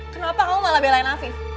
kenapa kamu malah belain afif